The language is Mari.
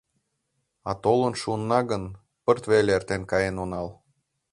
А толын шуынна гын, пырт веле эртен каен онал.